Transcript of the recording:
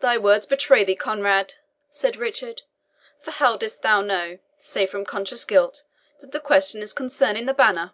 "Thy words betray thee, Conrade!" said Richard, "for how didst thou know, save from conscious guilt, that the question is concerning the banner?"